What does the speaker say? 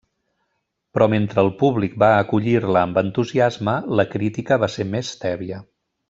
Però mentre el públic va acollir-la amb entusiasme, la crítica va ser més tèbia.